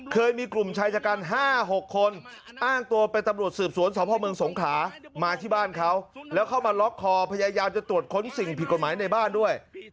เคยมีกลุ่มชายชะกัน๕๖คนอ้างตัวเป็นตำรวจสืบสวนสพเมืองสงขลามาที่บ้านเขาแล้วเข้ามาล็อกคอพยายามจะตรวจค้นสิ่งผิดกฎหมายในบ้านด้วย